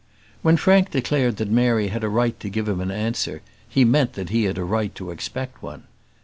When Frank declared that Mary had a right to give him an answer, he meant that he had a right to expect one.